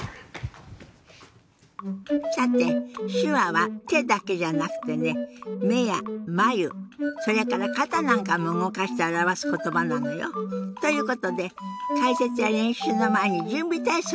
さて手話は手だけじゃなくてね目や眉それから肩なんかも動かして表す言葉なのよ。ということで解説や練習の前に準備体操をやりましょう。